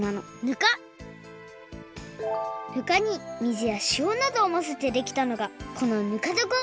ぬかにみずやしおなどをのせてできたのがこのぬかどこ。